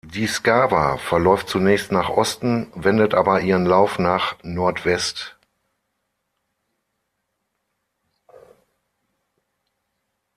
Die Skawa verläuft zunächst nach Osten, wendet aber ihren Lauf nach Nordwest.